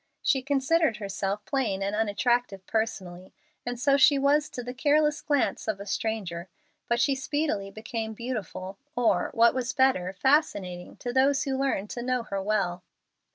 She considered herself plain and unattractive personally, and so she was to the careless glance of a stranger, but she speedily became beautiful, or, what was better, fascinating, to those who learned to know her well.